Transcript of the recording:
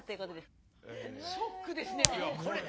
ショックですねこれ。